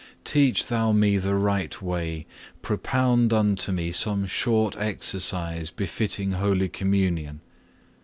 2. Teach Thou me the right way; propound unto me some short exercise befitting Holy Communion.